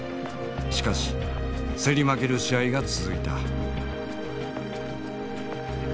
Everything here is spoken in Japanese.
しかし競り負ける試合が続いた。